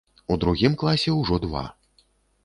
У другім класе ўжо два.